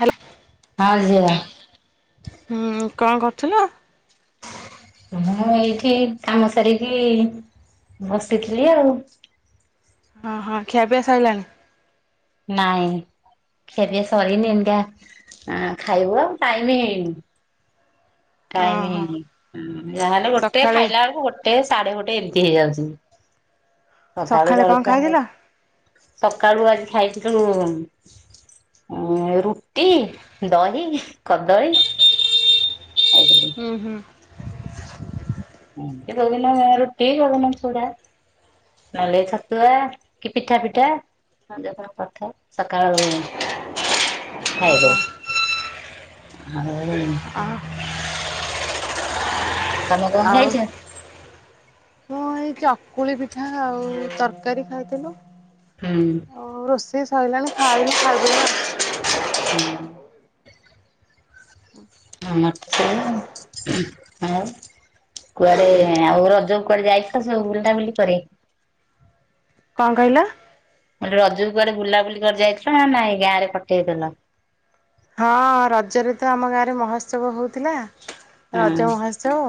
Hello [inaudible] ଆହା ଯିବା ହୁଁ କଣ କରୁଥିଲ। ମୁଁ ଏଇଠି କାମ ସାରିକି ବସିଥିଲି ଆଉ। ହଁ ହଁ ଖିଆପିୟା ସଇଲାଣି। ନାଇଁ ଖିଆପିୟା ସରିନି ଏହିନିକା ହେଁ ଖାଇବୁ ଆଉ ଟାଇମ ହେଇନି ଟାଇମ ଓହୋ ହେଇନି ହୁଁ ଯାହେଲେ ଗୋଟେ ସକାଳେ ଖାଇଲା ବେଳକୁ ଗୋଟେ। ସାଢେଗୋଟେ ଏମିତି ହେଇଯାଉଛି। ସକାଳୁ ସକାଳେ କଣ ଜଳଖିଆ ଖାଇଥିଲ? ସକାଳୁ ଆଜି ଖାଇିଥିଲୁ। ହୁଁ ରୁଟି ଦହି କଦଳୀ ଖାଇଥିଲି ହୁଁ ହୁଁ। କୋଉଦିନ ରୁଟି କୋଉଦିନ ଚୁଡା। ନହେଲେ ଛତୁଆ କି ପିଠା ପିଠା। ଯାହା କଣ କରୁଥା ସକାଳ ଖାଇଦଉ ଆଉ। ଆ ତମେ କଣ ଆଉ ଖାଇଛ? ମୁଁ ଏଇ ଚକ ଚକୁଳି ପିଠା ଆଉ ତରକାରୀ ଖାଇଥିଲୁ। ହୁଁ ସେ ସଇଲାଣି ଖାଇିନୁ ଖାଇଦବୁ। ହୁଁ ଆମର ସେଇଆ ଆ ଆଉ କୁଆଡେ ଆଉ ରଜ କୁଆଡେ ଯାଇଥିଲ ସବୁ ବୁଲାବୁଲି କରି। କଣ କହିଲ। ମୁଁ କହିଲି ରଜ କୁ କୁଆଡେ ବୁଲାବୁଲି କରି ଯାଇଥିଲ ନା ନାଇ ଗାଁ ରେ କଟେଇଦେଲ? ହଁ ରଜରେ ତ ଆମ ଗାଁ ରେ ମହୋତ୍ସବ ହଉଥିଲା। ହଁ ରଜ ମହାସ୍ଛୋବ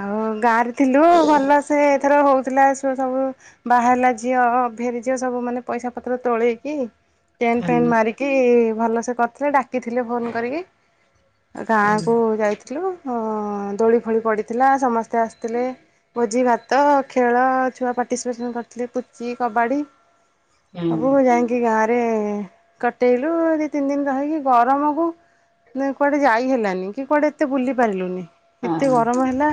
ଆଉ ଗାଁରେ ଥିଲୁ ଭଲ ସେ। ଏଥର ହଉଥିଲା ସ ସବୁ ବାହାରିଲା ଝିଅ ଫେରିଝିଅ ସବୁ ମାନେ ପଇସା ପତ୍ର ତୋଳେଇକି ଟେଣ୍ଟ ଫେଣ୍ଟ ହଁ ମାରିକି ଭଲସେ କରିଥିଲେ ଡାକିଥିଲେ ଫୋନ କରିକି ଗାଁ କୁ ଯାଇଥିଲ ଇଥିଲୁ ଦୋଳି ଫୋଳି ପଡ଼ିଥିଲା ସମସ୍ତେ ଆସିଥିଲେ ଭୋଜି ଭାତ ଖେଳ ଛୁଆ ପାର୍ଟିସିପେସନ୍ କରିଥିଲି ପୁଚି କବାଡ଼ି। ହଁ ଆବୁ ଯାଇକି ଗାଁରେ କଟେଇଲୁ ତିନି ଦିନ ରହିକି ଗରମକୁ କୁଆଡେ ଯାଇ ହେଲାନି କି କୁଆଡେ ଏତେ ବୁଲି ପାରିଲୁନି। କେତେ ହଁ। ଗରମ ହେଲା।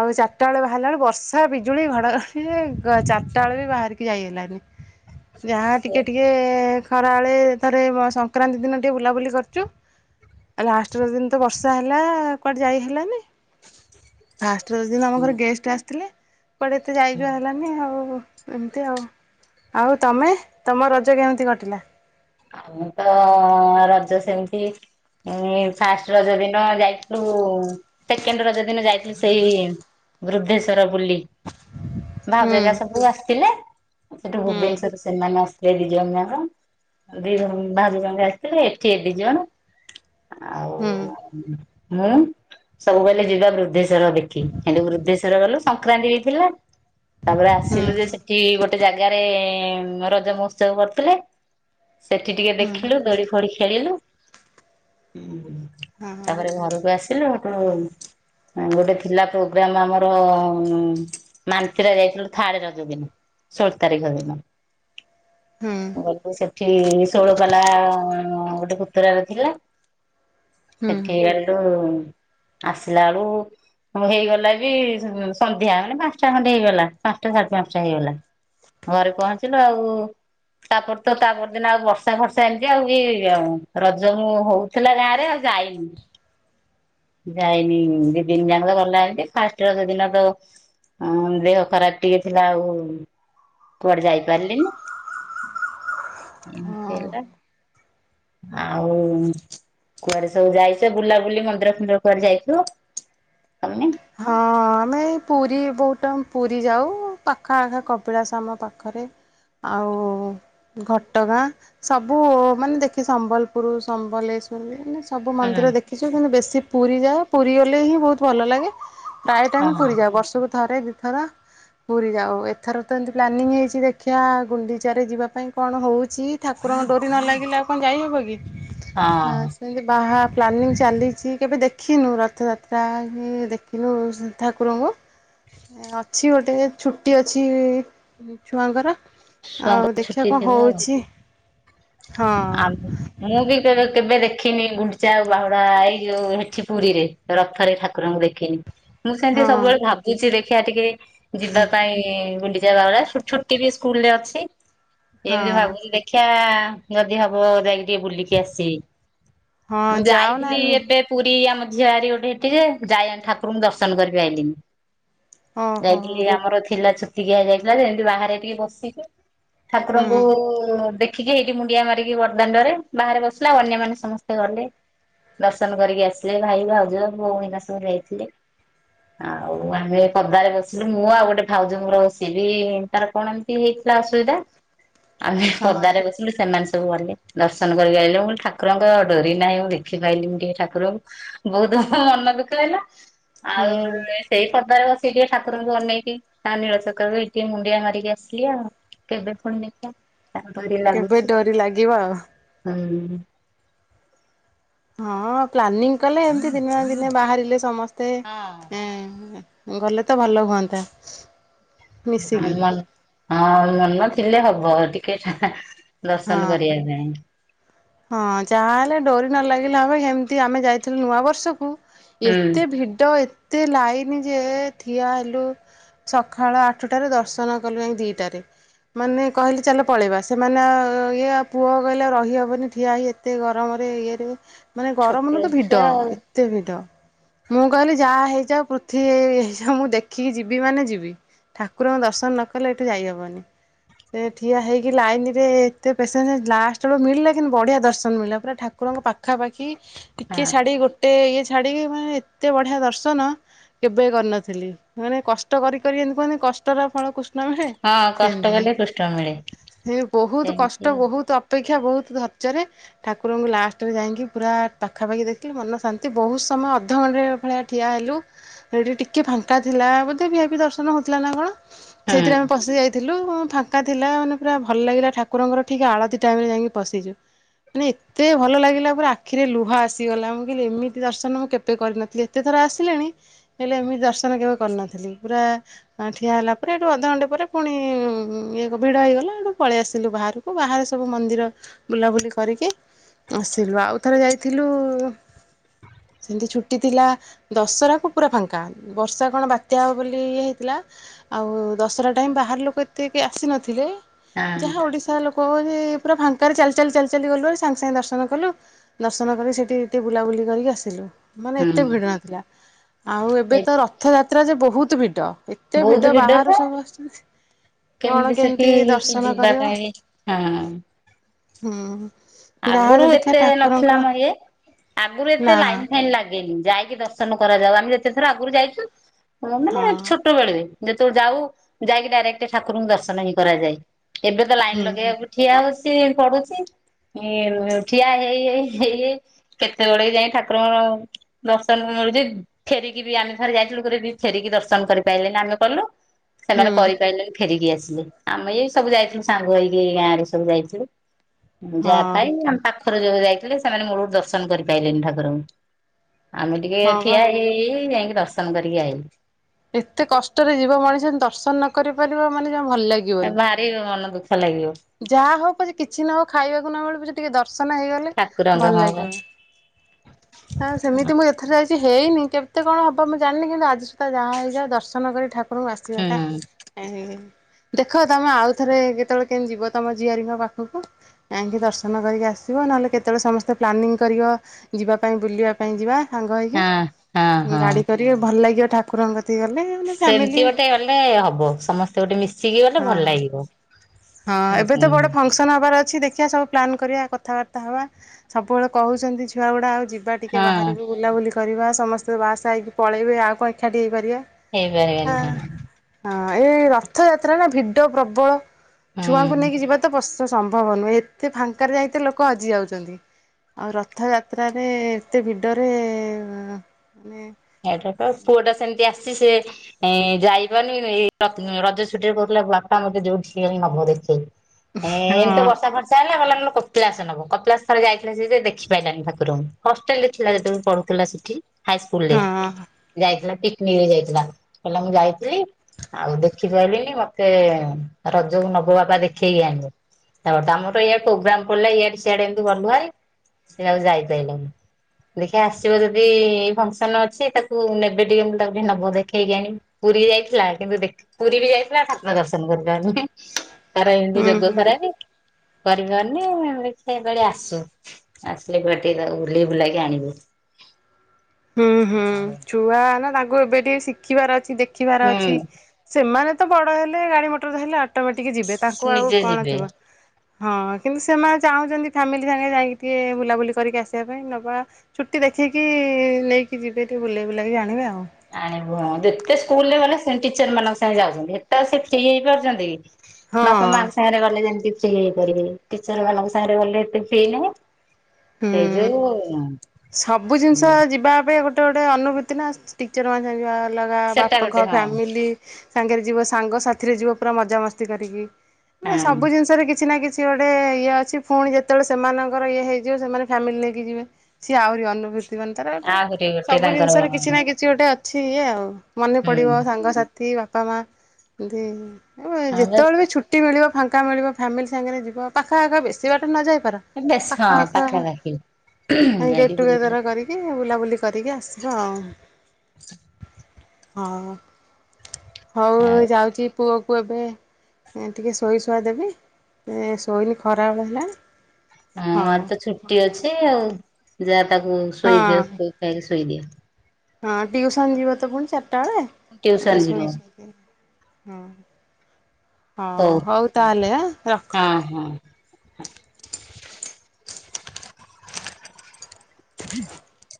ଆଉ ଚାରିଟା ବେଳେ ବାହାରିଲା ବେଳେ ବର୍ଷା ବିଜୁଳି ଘଡଘଡି ଚାରିଟା ବେଳେ ବି ବାହାରିକି ଯାଇ ହେଲାନି। ଯାହା ସେ ଟିକେ ଟିକେ ଖରାବେଳେ ଥରେ। ସଂକ୍ରାନ୍ତି ଦିନ ଟିକଏ ବୁଲାବୁଲି କରୁଛୁ। ଲାଷ୍ଟ ର ଦିନ ତ ବର୍ଷା ହେଲା କୁଆଡେ ଯାଇ ହେଲାନି ଫଷ୍ଟ ଦିନ ଆମ ହୁଁ ଘର ଗେଷ୍ଟ ଆସିଥିଲେ। କପଡେ ଏତେ ହୁଁ। ଯାଇଯିବା ହେଲାନି ଆଉ। ଏମତି ଆଉ ଆଉ ତମେ ତମ ରଜ କେମିତି କଟିଲା। ଆଉ ତ ରଜ ସେମିତି ଫାଷ୍ଟ ରଜ ଦିନ ଯାଇଥିଲୁ ସେକେଣ୍ଡ ରଜ ଦିନ ଯାଇଥିଲୁ ସେଇ। ବୃଦ୍ଧେଶ୍ଵର ବୁଲି ଭାଉଜାଗା ହୁଁ ସବୁ ଆସିଥିଲେ ସେଠୁ ହୁଁ ଭୁବନେଶ୍ଵର ସେମାନେ ଆସିଥିଲେ। ଏ ଦି ଜଣ ଯା ଦି ବାହାର ଜଣେ ଆସିଥିଲେ ଏଠି ଏ ଦି ଜଣ। ଆଉ ହୁଁ ମୁ ସବୁବେଳେ ଯିବା ବୃଦ୍ଧେଶ୍ଵର ଦେଖି କିନ୍ତୁ ବୃଦ୍ଧେଶ୍ୱଵର ଗଲ ସଂକ୍ରାନ୍ତି ବି ଥିଲା ତାପରେ ଆସିଲୁ ଯେ ସେଠି ଗୋଟେ ଜାଗାରେ ରଜ ମହୋତ୍ସବ କରୁଥିଲେ। ସେଠି ଟିକେ ହୁଁ ଦେଖିଲୁ ଦୋଡି ଫୋଡି ଖେଳିଲୁ। ହଁ ତାପରେ ଘରକୁ ଆସିଲୁ ଆପଣ। ଗୋଟେ ଥିଲା ପ୍ରୋଗ୍ରାମ ଆମର ମାନ୍ତିରେ ଯାଇଥିଲୁ ଥାଳି ର ଯ ଦିନ ଷୋହଳ ତାରିଖ ହେ ମ ହୁଁ। ସେଠି ଷୋଳପାଲା ଗୋଟେ ପୁତୁରାର ଥିଲା। ସେଠି ହେଇ ଗୁ ଆସିଲା ବେଳୁ। ଆ ହେଇଗଲା ବି ସନ୍ଧ୍ୟା ମାନେ ପାଞ୍ଚଟା ଖଣ୍ଡେ ହେଇଗଲା ପାଞ୍ଚଟା ସାଢେ ପାଞ୍ଚଟା ହେଇଗଲା। ଘରେ ପହଞ୍ଚିଲୁ ଆଉ ତାପରେ ତ ତାପରେ ଦିନ ଆଉ ବର୍ଷା ଫର୍ଷା ଏମିତି ଆଉ କି ରଜ ମୁ ହଉଥିଲା ଗାଁ ରେ ଆଉ ଯାଇନି। ଯାଇନି ଦି ଦିନ ଯାକ ତ ଗଲା ଏମିତି ଫାଷ୍ଟ ର ସେଦିନ ତ ହଁ ଦେହ ଖରାପ ଟିକେ ଥିଲା ଆଉ କୁଆଡେ ଯାଇପାରିଲିନି। ଏମ ହଁ ଖଲା। ଆଉ କୁଆରେ ସବୁ ଯାଇଛ ବୁଲାବୁଲି ମନ୍ଦିର ନ୍ଦ୍ର ଘ ଯାଇଥିଲୁ ହଁ ଆମେ ପୁରୀ ବହୁତ ଟମ ପୁରୀ ଯାଉ ପାଖା ଆଖା କବିଳାସ ଆମ ପାଖରେ ଆଉ ଘଟଗାଁ ସବୁ ମାନେ ଦେଖି ସମ୍ବଲପୁର ସମ୍ବଲ ମାନେ ସବୁ ହୁଁ ମନ୍ଦିର ଦେଖିଛୁ କିନ୍ତୁ ବେଶୀ ପୁରୀ ଯାଅ ପୁରୀ ଗଲେ ହିଁ ବହୁତ ଭଲ ଲାଗେ। ଟାଟ ଆମେ ହଁ ପୁରୀଯା ବର୍ଷକୁ ଥରେ ଦିଥର ପୁରୀ ଯାଉ ଏଥର ତ ଏମତି ପ୍ଲାନିଂ ହେଇଛି ଦେଖିବା ଗୁଣ୍ଡିଚ ଯିବା ପାଇଁ କଣ ହଉଛି ଠା ପୁରଣ ଡୋରି ନ ଲାଗିଲେ ଆପଣ ଯାଇହବ କି ଆ ହଁ। ସେମିତି ବାହା ପ୍ଲାନିଂ ଚାଲିଛି କେବେ ଦେଖିନୁ ରଥଯାତ୍ରା ଦେଖିନୁ ଠାକୁରଙ୍କୁ ଅଛି ଗୋଟେ ଛୁଟି ଅଛି ଛୁଆଙ୍କର ଛୁଆଙ୍କ ଆଉ ଦେଖିବା ଛୁଟି କଣ ହଉଛି? ହଁ ଆ ମୁଁ ବି କେବେ ଦେଖ? ଦେଖିନି ଗୁଣ୍ଡିଚାଉ ବାହୁଡା ଏଇ ଯୋଉ ମିଠି ପୁରୀରେ ରଥରେ ଠାକୁରଙ୍କୁ ଦେଖିନି ମୁଁ ସେମିତି ହଁ ସବୁବେଳେ ଭାବୁଛି ଦେଖିବା ଟିକେ ଯିବା ପାଇଁ ଗୁ ଜା ବାଉ ଛୁଟି ବି ସ୍କୁଲ ରେ ଅଛି ଏମିତି ହଁ ଭାବୁନି ଦେଖିବା [unintelligible] ଯଦି ହବ ଯାଇକି ଟିକେ ବୁଲିକି ଆସିବି ମୁଁ ହଁ ଯାଅ ଯାଇଥିଲି ନାନୀ ଏବେ ପୁରୀ ଆମ ଝିଆାରି ଗୋଟେ ଏଠିକ ଯାଇ ଠାକୁରଙ୍କୁ ଦର୍ଶନ କରିବି ଆଇଲିଣିି ଓହୋ ଯାଇଥିଲି ଆମର ଥିଲା ଛୁତିକିଆ ଯାଇଥିଲା ଯେମତି ବାହାରେ ଟିକେ ବସିକି ହୁଁ ଠାକୁରଙ୍କୁ ଦେଖିକି ମୁଣ୍ଡିଆ ମାରିକି ବରଦାଣ୍ଡରେ ବାହାରେ ବସିଲେ ଆଉ ଅନ୍ୟମାନେେ ସମସ୍ତେ ଗଲେ ଦର୍ଶନ କରିକି ଆସିଲେ ଭାଇ ଭାଉଜ ଭୋଉ ଭନା ସବୁ ଯାଇଥିଲି। ଆଉ ଆମେ କଦାରେ ବସିଲୁ ମୁଁ ଆଉ ଗୋଟେ ଭାଉଜ ମର ସିଏ ବି ତାର କଣ ଏମିତି ହେଇ। ଅସୁବିଧା ଆମେ ହଁ ପଦ ବ ସେମାନେ ସବୁ ଗଲେ ଦର୍ଶନ କରିକି ଆଣିଲେ ମୁଁ ଠାକୁରଙ୍କ ଡୋରି ନାହିଁ ମୁଁ ଦେଖିପାରଲିିି ଟିକେ ଠାର ବହୁତ ବ ମନ ଦୁଃଖ ହେଲା ଆଉ ହଁ ସେଇ ପର୍ଦ୍ଦାରେ ବ ସେ ଟିକେ ଠାକୁରଙ୍କୁ ଅନେଇକି ତା ନୀଳ ଚକା ଏଇ ଟିକେ ମୁଣ୍ଡିଆ ମାରିକି ଆସିଲି ଆଉ କେବେ ପୁଣି ନେଇ ତାରିିଲ [unintelligible] [inaudible] ଡରି ଲାଗିବ ଆଉ ହଁ ହଁ ପ୍ଲାନିଂ କଲେ ଏମତି ଦିନେ ଦିନେ ବାହାରିଲେ ହଁ। ସମସ୍ତେଁ ଗଲେ ତ ଭଲ ହୁଅନ୍ତା ମିଶିକି ହଁ ମନଥିଲେ ହବ ଟିକେ ଲସନ ହଁ କରଆ ଯାଇ ହଁ ଯାହା ହେଲେ ଡରି ନ ଲାଗିଲା ଭବେ ସେମିତି ଆମେ ଯାଇଥିଲୁ ନୂଆ ବର୍ଷକୁ ହୁଁ ଏତେ ଭିଡ ଏତେ ଲାଇନ ଯେ ଠିଆ ହେଲୁ ସକାଳ ଆଠଟାରେ ଦର୍ଶନ କଲେ ଆ ଦିଇଟାରେ ମାନେ କହିଲେ ଚାଲ ପଳେଇବା ସେମାନେ ଇଏ ପୁଅ କହିଲେ ରହିହବନି ଠିଆ ହ ଏତେ ଗରମରେ ଇଏରେ ମାନେ ଗରମ ଛୋଟ ନୁ ତ ଭିଡ ଛୁଆ ଆଉ। ଏତେ ଭିଡ ମୁଁ କହିଲି ଯାହା ହେଇଯ ପୃଥିବୀ ହେଇଯ ମୁଁ ଦେଖିକି ଯିବି ମାନେ ଯିବି ଠାକୁରଙ୍କ ଦର୍ଶନ ନ କଲେ ଏଇଠୁ ଯାଇହବନି ସେ ଠିଆ ହେଇକି ଲାଇନ ରେ ଏତେ ପେସେଣ୍ଟ ଲାଷ୍ଟ ବେଳୁ ମିଳିଲା ବଢିଆ ଦର୍ଶନ ମିଳା ପୁରା ଠାକୁରଙ୍କ ପାଖାପାଖି ଟିକେ ହଁ ଛଡି ଗୋଟେ ଇଏ ଛାଡିକି ମାନେ ଏତେ ବଢିଆ ଦର୍ଶନ କେବେ କରିନଥିଲି ମାନେ କଷ୍ଟ କରିିକ ଏମିତି କୁହନ୍ତିେ କଷ୍ଟର ଫଳକୁ ନ ହଁ କଷ୍ଟ ସେମିତି କଲେ କୃଷ୍ଣ ମିଳେ ସେ ବହୁତ ସେମିତି କଷ୍ଟ ହୁଁ ବହୁତ ଅପେକ୍ଷା ଶ ବହୁତ ପଚରେ ଠାକୁରଙ୍କୁ ଲାଷ୍ଟରେ ଯାଇକି ପୁରା ପାଖାପାଖି ଦେଖିଲି ମନ ଶାନ୍ତି ବହୁତ ସମୟ ଅଧଘଣ୍ଟେ ଳିଆ ଠିଆ ହେଲୁ ସେଠି ଟିକେ ଫାଙ୍କା ଥିଲା ବୋଧେ ବିି ବି ଦର୍ଶନ ହଉଥିଲା ନା କଣ ସେଇଥିରେ ଆମେ ପଶି ଯାଇ ଥିଲୁ ଫାଙ୍କା ଥିଲା ମାନେ ପୁରା ଭଲ ଲାଗିଲା ଠାକୁରଙ୍କର ିକଏ ଆଳତି ଟାଇମରେ ଯାଇକି ପଶିଛୁ ହ ମାନେ ଏତେ ଭଲ ଲାଗିଲା ପୁରା ଆଖିରେ ଲୁହା ଆସିଗଲା ମୁଁ କହିଲି ଏମିତି ଦର୍ଶନ ମୁଁ କେବେ କରିନଥିଲି ଏତେ ଥର ଆସି ଆସିଲେଣି ହେଲେ ଏମିତି ଦର୍ଶନ କେବେ କରିନଥିଲି ପୁରା ଠିଆ ହେଲା ପରେ ଏଠୁ ଅଧଘଣ୍ଟେ ପରେ ପୁଣି ଇଏ ଏକ ଭିଡ ହେଇଗଲା ଆଠୁ ପଳେଇ ଆସିଲୁ ବାହାରକୁ ବାହାରେ ସବୁ ମନ୍ଦିର ବୁଲାବୁଲି କରିକି ଆସିଲୁ ଆଉ ଥରେ ଯାଇଥିଲୁ ସେମିତି ଛୁଟି ଥିଲା ଦଶହରା କୁ ପୁରା ଫାଙ୍କା ବର୍ଷା କଣ ବାତ୍ୟା ହବ ବୋଲି ଇ ହେଇଥିଲା ଆଉ ଦଶହରା ଟାଇମ୍ ବାହାର ଲୋକ ଏତେ ଆସିନଥିଲେ ହଁ। ଯାହା ଓଡିଶା ଲୋକ ପୁରା ଭାଙ୍କ କରେ ଚାଲି ଚାଲି ଚାଲି ଚାଲି ଗଲୁ ଆ ସାଙ୍ଗେ ସାଙ୍ଗେ ଦର୍ଶନ କଲୁ ଦର୍ଶନ କରି ସେଇଠି ଟିକେ ବୁଲାବୁଲି କରିକି ଆସିଲୁ ମାନେ ଏତେ ହୁଁ। ଭିଡ ନଥିଲା ଆଉ ଏବେ ତ ରଥଯାତ୍ରା ଯେ ବହୁତ ଭିଡ ଏତେ ବହୁତ ଭିଡ଼ ଭିଡ ବାହାରୁ ତ ସବୁ ଆସିଛନ୍ତି କଣ ସେଠି କେମିତି କି ଦର୍ଶନ ଯିବା କରିବ ପାଇଁ ହଁ ହୁଁ ଯାହା ଆଗରୁ ଯଦି ଦେଖିବା ଏତେ ଠାକୁରଙ୍କ ନଥିଲା ମ ଇଏ ଆଗରୁ ଏତେ ନା ଲାଇନ ଫାଇନ୍ ଲାଗେନି ଯାଇ ଦର୍ଶନ କରାଯାଉ ଆମେ ଯେତେ ଥର ଆଗରୁ ଯାଇଛୁ ହଁ ଏମାନେ ଛୋଟ ବେଳେ ବି ଯେତେବେଳେ ଯାଉ ଯାଇକି ଡାଇରେକ୍ଟ ଠାକୁରଙ୍କୁ ଦର୍ଶନ ହିଁ କରାଯାଏ ଏବେ ତ ଲାଇନ ହୁଁ ଲଗେୟାକୁ ଠିଆ ହଉଛି ପଡୁଛି ଉଁ ଠିଆ ହେଇ ହେଇ ହେଇ କେତେ ବେଳେ ଯାଇ ଠାକୁରଙ୍କ ଦର୍ଶନ ଫେରିକି ବି ଆମେ ଥରେ ଯାଇଥିଲୁ ଥରେଦି ଫେରିକି ଦର୍ଶନ କରିପାଲିନି ଆମେ କଲୁ ସେମାନେ ହୁଁ କରିପାରିଲେନି ଫେରିକି ଆସି ଆମେ ଏ ସବୁ ଯାଇଥିଲୁ ସାଙ୍ଗୋ ହୋଇକି ଏ ଗାଁ ରେ ସବୁ ଯାଇଥିଲୁ ଯାଆ ହଁ ପାଇଁ ଆମ ପାଖ ଥରେ ଯୋଉ ଯାଇଥିଲେ ସେମାନେ ମୂଳରୁ ଦର୍ଶନ କରିପାରଲେନି ଠାକୁରଙ୍କୁ ଆମେ ଟିକେ ଏ ହଁ ବା। ଠିଆ ହେଇ ହେଇ ଯାଇକି ଦର୍ଶନ କରିକି ଆଇଲୁ ଏତେ କଷ୍ଟରେ ଯିବ ମଣିଷ କିନ୍ତୁ ଦର୍ଶନ ନ କରି ପାରିବ ମାନେ ଜମା ଭଲ ଏ ଲାଗିବନି। ଭାରି ମନ ଦୁଃ ଯାହା ହଉ ପଛେ କିଛି ନ ହଉ ଖାଇବାକୁ ନ ମିଳୁ ପଛେ ଟିକେ ଦର [unintelligible] ହେଇଗଲେ ଠାକୁରଙ୍କ ଭଲ ହଁ ବା ଲାଗିବନି। ହଁ ସେମିତି ମୁଁ ଏଥର ଯାଇଛି ହେଇନି କେବ ଏତେ କଣ ହବ ମୁଁ ଜାଣିନି କିନ୍ତୁ ଆଜି ସୁଦ୍ଧା ଯାହା ହେଇଯାଉ ଦର୍ଶନ କରି ଠାକୁରଙ୍କୁ ହୁଁ ଆସିବାଟା ହେ ହେ ହେ ଦେଖ ତମେ ଆଉ ଥରେ କେତେବେଳେ କେମିତି ଯିବ ତମ ଝିଆରୀଙ୍କ ପାଖକୁ। କାଇଁକି ଦର୍ଶନ କରିକି ଆସିବ ନହେଲେ କେତେବେଳେ ସମସ୍ତେ ପ୍ଲାନିଂ କରିବ ଯିବା ପାଇଁ ବୁଲିବା ପାଇଁ ଯିବା ସାଙ୍ଗ ହେଇକି ହଁ ହଁ ଉଁ ହଁ। ଗାଡି କରି ଭଲ ଲାଗିବ ଠାକୁରଙ୍କ କତିକି ଗଲେ ମାନେ ଫ୍ୟାମିଲି ସେମିତି ଗୋଟେ ଗଲେ ହବ ସମସ୍ତେ ଗୋଟେ ମିଶିକି ଗଲେ ହଁ ଭଲ ଲାଗିବ। ହଁ ଏବେ ତ ହୁଁ ବଡ ଫଙ୍କସନ ହବାର ଅଛି ଦେଖ ଦେଖିବା ସବୁ ପ୍ଲାନ୍ କରିବା କଥାବାର୍ତ୍ତା ହବା ସବୁବେଳେ କଉଛନ୍ତି ଛୁଆ ଗୁଡା ଆଉ ଯିବ ଯିବା ଟିକେ ହଁ ବାହାରୁକୁ ବୁଲାବୁଲି କରିବା ସମସ୍ତେ ବାହାସାହା ହେଇକି ପଳେଇବେ ଆଉ କଣ ଏକାଠି ହେଇପାରିବା। ହେଇପାରିବାନି ତାମେ। ହଁ ଏଇ ରଥଯାତ୍ରା ନା ଭିଡ ପ୍ରବଳ ଛୁଆଙ୍କୁ ହୁଁ। ନେଇକି ଯିବା ତ ପସ୍ ତ ସମ୍ଭବ ନୁହେ ଏତେ ଫାଙ୍କାରେ ଯାଇତ ଲୋକ ହଜି ଯାଉଛନ୍ତି ଆଉ ରଥଯାତ୍ରାରେ ଏତେ ଭିଡ଼ରେ ଏଟା ତ ପୁଅଟା ସେମିତି ଆସ ସି ସେ ଏଁ ଯାଇପରୁନି କିନ୍ତୁ ଏଇ ରଥ୍ ରଜ ଛୁଟିରେ କହୁଥିଲା ବାପା ମତେ ଯୋଉଠି ନବ ଦେଖେଇ। ଏଁ ଏମିତି ବର୍ଷା ହଁ ଫର୍ଷା ହେଲା କହିଲା କପିଳାସ ନବ କପିଳାସ ଥରେ ଯାଇଥିଲା ଯିଏ ସେ ଦେଖି ପାଇଲାନି ଠାକୁରଙ୍କୁ ହଷ୍ଟେଲ ରେ ଥିଲା ଯେତେବେଳେ ପଢୁଥିଲା ସେଠି। ହାଇ ସ୍କୁଲ୍ ରେ। ହଁ ଯାଇଥିଲା ପିକନିକ ଯାଇଥିଲା କହିଲା ମୁଁ ଯାଇଥିଲି ଆଉ ଦେଖିପାଇଲିନି ମତେ ରଜକୁ ନବ ବୋବା ଦେଖେଇ ଆଣିବ। ଓ ଆମର ଇଆଡା ପ୍ରୋଗ୍ରାମ ପଡିଲେ ଇଆଡେ ସିଆଡେ ଏମିତି ଗଲୁହାରି। ସେ ଆଉ ଯାଇପାଇଲେନି ଦେଖ୍ୟା ଆସିବ ଯଦି ଏଇ ଫଙ୍କସନ ସି ତାକୁ ନେବେ ଟିକେ ମୁଁ ତାକୁ ନବ ଦେଖେଇକି ଆଣି ପୁରୀ ଯାଇଥିଲା କିନ୍ତୁ ଦେଖ ପୁରୀ ବି ଯାଇଥିଲା ଠାକୁର ଦର୍ଶନ କରି ପାରିଲେ ନି ତାର ଏମିତି ହୁଁ ଯୋଗ ହୁଁ। ଖରାପେ। କରିବାନି ଦେଖିଆ ବେଳି ଆସୁ ଆସିଲେ କୁଆଡ଼େ ଟିଏ ତାକୁ ବୁଲେଇ ବୁଲାକି ଆଣିବି। [inaudible] ହୁଁ ହୁଁ ଛୁଆ ନା ତାଙ୍କୁ ଏବେ ଟିକେ ଶିଖିବାର ଅଛି ଦେଖ ଦେଖିବାର ହୁଁ ଅଛି ସେମାନେ ତ ବଡ ହେଲେ ଗାଡି ମଟର ଧାଇଲେ ଅଟମେଟିକି ଯିବେ ତାଙ୍କୁ ଆଉ ନିଜେ ଯିବେ। କଣଥିବ। ହଁ କିନ୍ତୁ ସେମାନେ ଚାହୁଁଛନ୍ତି ଫ୍ୟାମିଲି ସାଙ୍ଗେ ଯାଇକି ଟିକେ ବୁଲାବୁଲି କରିକି ଆସିବା ପାଇଁ ନବା ଛୁଟି ଦେଖିକି ନେଇକି ଯିବେ ଟିକେ ବୁଲେଇ ବୁଲାଇ ଆଣିବେ ଆଉ। ଆଣିବୁ ହଁ ଯେତେ ସ୍କୁଲରେ ଗଲେ ସେମ୍ ଟିଚର ମାନଙ୍କ ସାଙ୍ଗେ ଯାଉଛନ୍ତି ଏତେ ସେ ଫ୍ରି ହେଇ ପାରୁଛନ୍ତି କି। ହଁ। ବାପ ମାଆଙ୍କ ସାଙ୍ଗରେ ଗଲେ ଯେମତି ସେ ହେଇପାରିବେ ଟିଚର ମାନଙ୍କୁ ସାଙ୍ଗରେ ଗଲେ ଏତେ ଫ୍ରି ନାହିଁ। ହୁଁ ସବୁ ଜିନିଷ ଯିବା ପାଇଁ ଗୋଟେ ଗୋଟ ଗୋଟେ ଅନୁଭୂତି ନା ଟିଚର ମାନେ ଯିବା ଆଲଗା ସେଟା ବାପା ଗୋଟେ ଘର ହଁ ଫ୍ୟାମିଲି ସାଙ୍ଗରେ ଯିବ ସାଙ୍ଗ ସାଥିରେ ଯିବ ପୁରା ମଜାମସ୍ତି କରିକି ହଁ। ସବୁ ଜିନିଷରେ କିଛି ନା କିଛି କିଛି ଗୋଟେ ଇଏ ଅଛି ପୁଣି ଯେତେବେଳେ ସେମାନଙ୍କର ଇଏ ହେଇ ଯିବ ସେମାନେ ଫ୍ୟାମିଲି ନେଇକି ଯିବେ ସିଏ ଆହୁରି ଅନୁଭୂ ଜୀବନ ତାର ଗୋଟେ ଆହୁରି ଗୋଟେ ସବୁ ତାଙ୍କର ଜିନିଷରେ କିଛି ନା କିଛି ଗୋଟେ ଅଛି ଇଏ ଆଉ ମନେ ହୁଁ ପଡିବ ସାଙ୍ଗସାଥି ବାପା ମା ଏ ହଁ ବାସ୍ ଯେତେବେଳେ ବି ଛୁଟି ମିଳିବ ଫାଙ୍କା ମିଳିବ ଫ୍ୟାମିଲି ସାଙ୍ଗରେ ଯିବ ପାଖାଆଖ ବେଶିବାଟ ନ ଯାଇ ବେଶ ହଁ ପାଖ ରହିକି। ଗେଟ୍ ଟୁଗେଦର କରିକି ବୁଲାବୁଲି କରିକି ଆସିବ ଆଉ। [inaudible] ହଁ। ହଉ ହଉ ଯାଉଛି ପୁଅ କୁ ଏବେ ଏଁ ଟିକେ ଶୋଇ ଶୁଆ ଦେବି ଏଁ ଶୋଇନି ଖରାବେଳ ହେଲାଣି। ହଁ ହଉ। ଆଜି ତ ଛୁଟି ଅଛି ଆଉ ଯା ତାକୁ ହଁ ଶୋଇଦିଅ ଗୋଟାଏ ଶୋଇ ଦିଅ। ହଁ ଟିଉସନ୍ ଯିବ ତ ପୁଣି ଚାରିଟା ବେଳେ ତାକୁ ଟିକେ ଟିଉସନ ଯିବ ଶୋଇଦିଏ। ହୁଁ ହଉ ହଉ ତାହେଲେ ଆଁ ହଁ ରଖ। [unintelligible] [unintelligible]